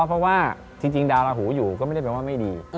เพราะว่าจริงดาวราหูอยู่ก็ไม่ได้แปลว่าไม่ดี